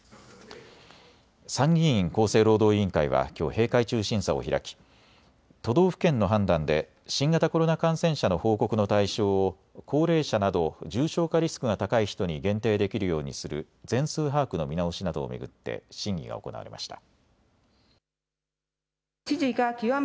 参議院厚生労働委員会はきょう閉会中審査を開き都道府県の判断で新型コロナ感染者の報告の対象を高齢者など重症化リスクが高い人に限定できるようにする全数把握の見直しなどを巡って審議が行われました。